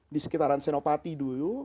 di sekitaran senopati dulu